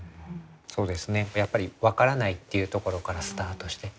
そうですねやっぱり分からないっていうところからスタートして。